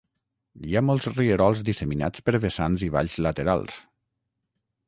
Hi ha molts rierols disseminats per vessants i valls laterals.